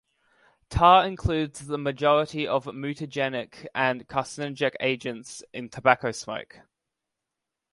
Tar includes the majority of mutagenic and carcinogenic agents in tobacco smoke.